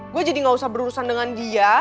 gue jadi gak usah berurusan dengan dia